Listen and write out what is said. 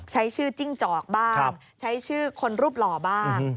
ใช้ชื่อจิ้งจอกบ้างใช้ชื่อคนรูปหล่อบ้าง